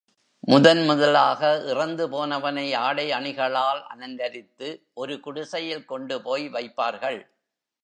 முதன் முதலாக இறந்துபோனவனை ஆடை அணிகளால் அலங்கரித்து, ஒரு குடிசையில் கொண்டுபோய் வைப்பார்கள்.